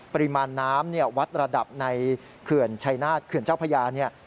ปริมาณน้ำวัดระดับในเขื่อนชัยนาธเขื่อนเจ้าพระยา